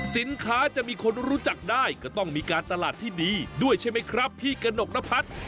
สินค้าจะมีคนรู้จักได้ก็ต้องมีการตลาดที่ดีด้วยใช่ไหมครับพี่กระหนกนพัฒน์